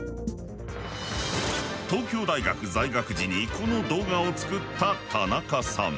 東京大学在学時にこの動画を作った田中さん。